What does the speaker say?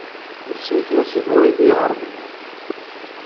Yessen kra seg wayt yiɣrem-nni.